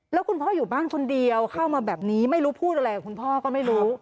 แล้วคุณพ่ออยู่บ้านคนเดียวเข้ามาแบบนี้ไม่รู้พูดอะไรกับคุณพ่อก็ไม่รู้